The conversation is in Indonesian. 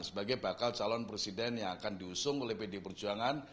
sebagai bakal calon presiden yang akan diusung oleh pd perjuangan